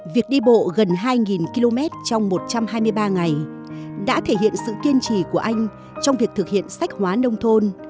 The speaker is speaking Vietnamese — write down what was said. việc đi bộ gần hai km trong một trăm hai mươi ba ngày đã thể hiện sự kiên trì của anh trong việc thực hiện sách hóa nông thôn